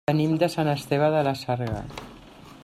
Venim de Sant Esteve de la Sarga.